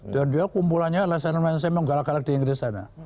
dan dia kumpulannya lsm lsm yang galak galak di inggris sana